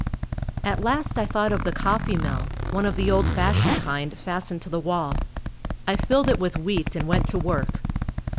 At last I thought of the coffee mill (one of the old fashioned kind, fastened to the wall.) I filled it with wheat and went to work.